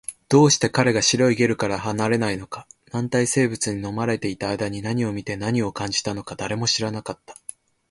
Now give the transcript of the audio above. どうして彼が白いゲルから離れないのか、軟体生物に飲まれていた間に何を見て、何を感じたのか、誰も知らなかった